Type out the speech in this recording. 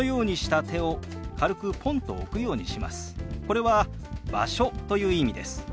これは「場所」という意味です。